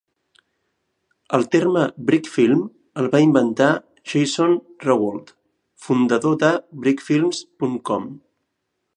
El terme "brick film" el va inventar Jason Rowoldt, fundador de Brickfilms.com.